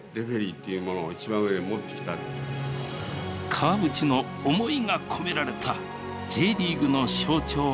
川淵の思いが込められたＪリーグの象徴シャーレ。